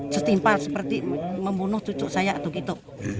setimpal seperti membunuh cucu saya atau gitu